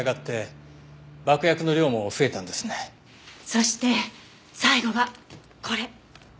そして最後がこれ。